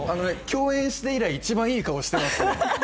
共演して以来、一番いい顔していますね。